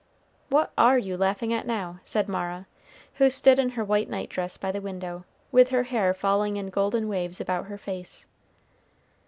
"What are you laughing at now?" said Mara, who stood in her white night dress by the window, with her hair falling in golden waves about her face.